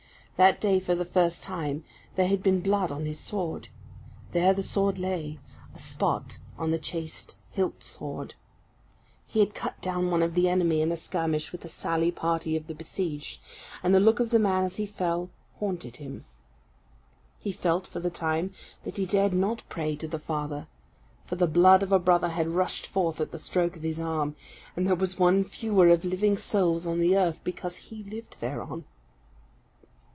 That day, for the first time, there had been blood on his sword there the sword lay, a spot on the chased hilt still. He had cut down one of the enemy in a skirmish with a sally party of the besieged and the look of the man as he fell, haunted him. He felt, for the time, that he dared not pray to the Father, for the blood of a brother had rushed forth at the stroke of his arm, and there was one fewer of living souls on the earth because he lived thereon.